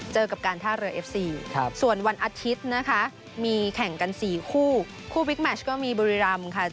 เจอกับการท่าเรือเอฟซีส่วนวันอาทิตย์นะคะมีแข่งกัน๔คู่คู่บิ๊กแมชก็มีบุรีรำค่ะ